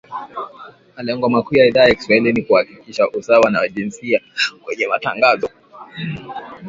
Malengo makuu ya Idhaa ya kiswahili ni kuhakikisha usawa wa kijinsia kwenye matangazo